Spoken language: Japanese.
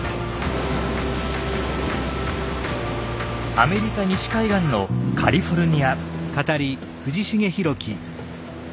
アメリカ西海岸のカリフォルニア。